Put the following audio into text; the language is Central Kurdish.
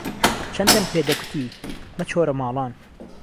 چەندەم پێ دەکوتی مەچۆرە ماڵان